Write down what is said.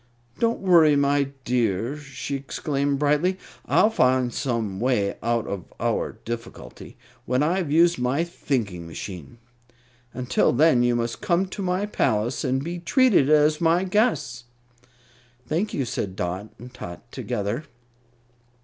"Don't worry, my dear," she exclaimed, brightly, "I'll find some way out of our difficulty when I have used my thinking machine. Until then you must come to my palace and be treated as my guests." "Thank you," said Dot and Tot together.